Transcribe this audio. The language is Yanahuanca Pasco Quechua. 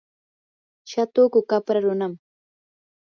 shatuku qapra runam.